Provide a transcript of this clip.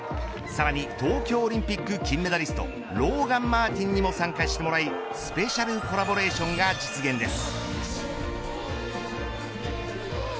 さらに東京オリンピック金メダリストローガン・マーティンにも参加してもらいスペシャルコラボレーションが実現です。